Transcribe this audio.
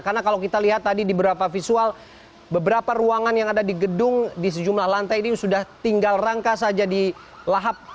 karena kalau kita lihat tadi di beberapa visual beberapa ruangan yang ada di gedung di sejumlah lantai ini sudah tinggal rangka saja di lahap